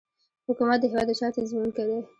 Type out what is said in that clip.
حکومت د هیواد د چارو تنظیمونکی دی